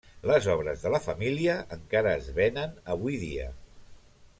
Les obres de la família encara es venen avui dia.